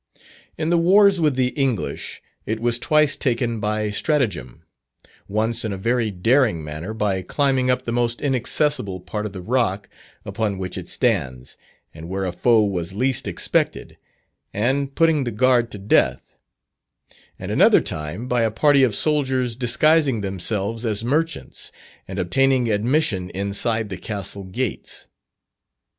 In the wars with the English, it was twice taken by stratagem; once in a very daring manner, by climbing up the most inaccessible part of the rock upon which it stands, and where a foe was least expected, and putting the guard to death; and another time, by a party of soldiers disguising themselves as merchants, and obtaining admission inside the Castle gates.